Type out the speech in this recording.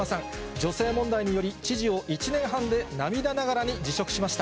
女性問題により、知事を１年半で涙ながらに辞職しました。